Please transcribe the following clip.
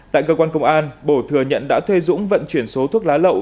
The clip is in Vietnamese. tại cơ quan công an bổ thừa nhận đã thuê dũng vận chuyển số thuốc lá lậu